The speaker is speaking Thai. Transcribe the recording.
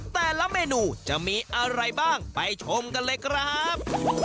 แต่ละเมนูจะมีอะไรบ้างไปชมกันเลยครับ